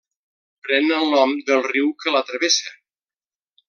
Pren el nom del riu que la travessa.